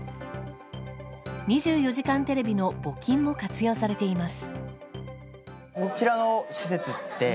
「２４時間テレビ」の募金も活用されています。